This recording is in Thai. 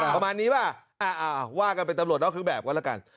ประมาณนี้ป่ะว่ากันเป็นตำรวจนอกเครื่องแบบก็แล้วกัน